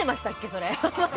それ。